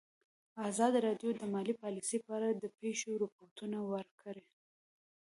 ازادي راډیو د مالي پالیسي په اړه د پېښو رپوټونه ورکړي.